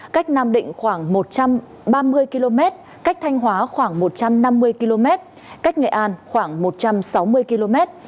cách nam định khoảng một trăm ba mươi km cách thanh hóa khoảng một trăm năm mươi km cách nghệ an khoảng một trăm sáu mươi km